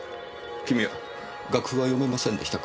君は楽譜は読めませんでしたか？